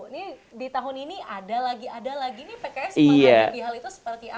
ini di tahun ini ada lagi ada lagi nih pks menghadapi hal itu seperti apa